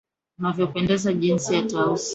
Unavyopendeza jinsi ya tausi.